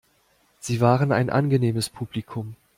Sie waren ein angenehmes Publikum.